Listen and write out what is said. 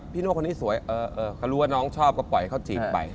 พี่โน้ทคนนี้สวยเออเขารู้ว่าน้องชอบก็ปล่อยเขาจีบไป